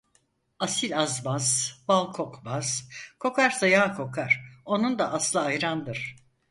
Asil azmaz, bal kokmaz, kokarsa yağ kokar, onun da aslı ayrandır.